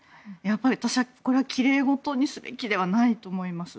私はこれはきれいごとにすべきではないと思います。